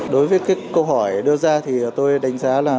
đối với cái câu hỏi đưa ra thì tôi đánh giá là